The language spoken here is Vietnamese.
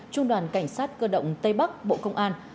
trung đoàn cảnh sát cơ động tây bắc bộ công an